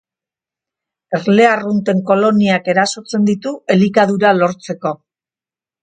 Erle arrunten koloniak erasotzen ditu elikadura lortzeko.